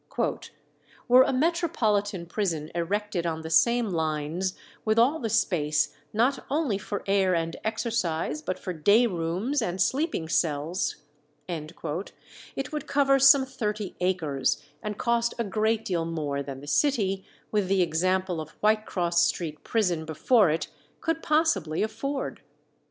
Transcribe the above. "Were a metropolitan prison erected on the same lines, with all the space not only for air and exercise, but for day rooms and sleeping cells," it would cover some thirty acres, and cost a great deal more than the city, with the example of Whitecross Street prison before it, could possibly afford.